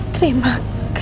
terima kasih ya